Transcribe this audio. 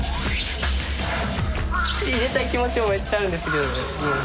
入れたい気持ちもめっちゃあるんですけど。